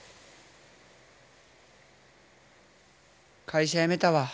会社辞めたわ。